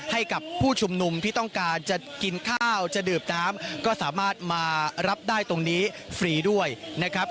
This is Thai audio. ให้กับผู้ชุมนุมที่ต้องการจะกินข้าวจะดื่มน้ำก็สามารถมารับได้ตรงนี้ฟรีด้วยนะครับ